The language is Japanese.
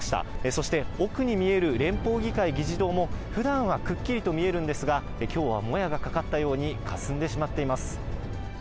そして、奥に見える連邦議会議事堂も、ふだんはくっきりと見えるんですが、きょうはもやがかかったようにかすんでしまっています。